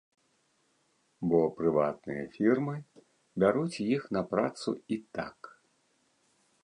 Бо прыватныя фірмы, бяруць іх на працу і так.